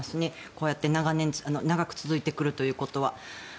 こうして長く続いてくるということは。